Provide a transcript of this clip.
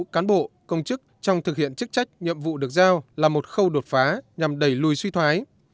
cán bộ công chức trong thực hiện chức trách nhiệm vụ được giao là một khâu đột phá nhằm đẩy lùi suy thoái